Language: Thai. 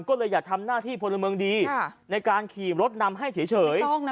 ก็เลยอย่าทำหน้าที่พลเมืองดีอ่ะในการขี่รถนำให้เฉยเฉยไม่ต้องน่ะ